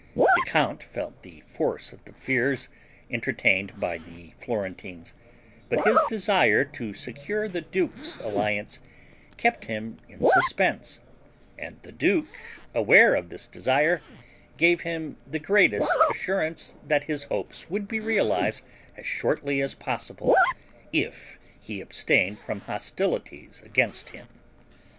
The count felt the force of the fears entertained by the Florentines, but his desire to secure the duke's alliance kept him in suspense; and the duke, aware of this desire, gave him the greatest assurance that his hopes would be realized as shortly as possible, if he abstained from hostilities against him.